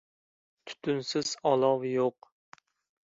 • Tutunsiz olov yo‘q.